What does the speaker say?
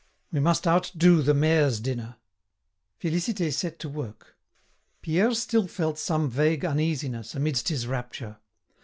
We must outdo the mayor's dinner." Félicité set to work. Pierre still felt some vague uneasiness amidst his rapture.